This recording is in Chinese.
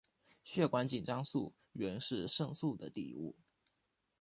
血管紧张素原是肾素的底物。